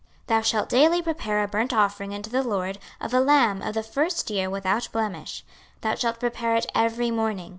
26:046:013 Thou shalt daily prepare a burnt offering unto the LORD of a lamb of the first year without blemish: thou shalt prepare it every morning.